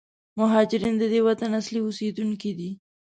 مهارجرین د دې وطن اصلي اوسېدونکي دي.